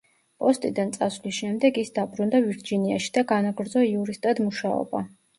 პოსტიდან წასვლის შემდეგ ის დაბრუნდა ვირჯინიაში და განაგრძო იურისტად მუშაობა.